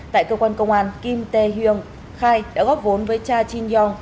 tại cơ quan công an kim tê hương khai đã góp vốn với cha chin yong